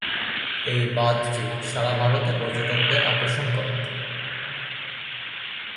এই বাঁধটি সারা ভারতে পর্যটকদের আকর্ষণ করে।